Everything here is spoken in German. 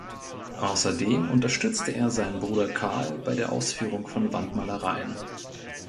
Außerdem unterstützte er seinen Bruder Carl bei der Ausführung von Wandmalereien.